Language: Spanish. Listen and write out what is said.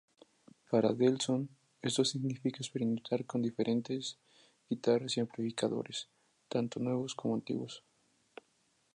Para Delson, esto significa experimentar con diferentes guitarras y amplificadores, tanto nuevos como antiguos.